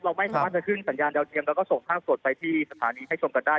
ไม่สามารถจะขึ้นสัญญาณดาวเทียมแล้วก็ส่งภาพสดไปที่สถานีให้ชมกันได้